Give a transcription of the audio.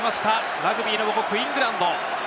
ラグビーの母国イングランド。